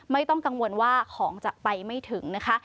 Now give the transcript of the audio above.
ไม่ต้องกังวลว่าของจะไปไม่ถึงนะคะ